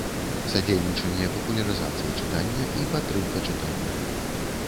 Садзейнiчанне папулярызацыi чытання i падтрымка чытання.